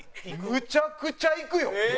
むちゃくちゃ行くよ！